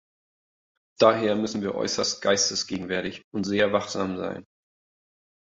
Daher müssen wir äußerst geistesgegenwärtig und sehr wachsam sein.